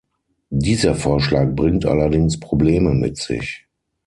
Dieser Vorschlag bringt allerdings Probleme mit sich.